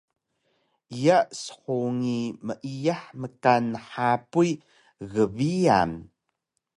Iya shungi meiyah mkan nhapuy gbiyan